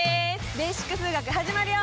「ベーシック数学」始まるよ！